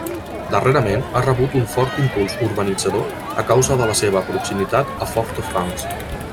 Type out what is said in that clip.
Darrerament ha rebut un fort impuls urbanitzador a causa de la seva proximitat a Fort-de-France.